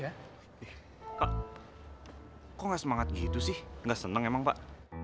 kok gak semangat gitu sih nggak seneng emang pak